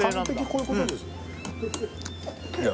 こういうことですいや